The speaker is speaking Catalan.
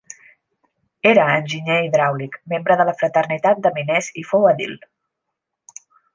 Era enginyer hidràulic, membre de la fraternitat de miners i fou edil.